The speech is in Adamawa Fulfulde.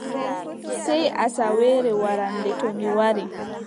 Sey asawaare warande, to mi wari.